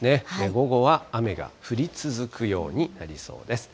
午後は雨が降り続くようになりそうです。